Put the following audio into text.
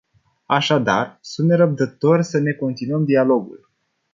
Așadar, sunt nerăbdător să ne continuăm dialogul.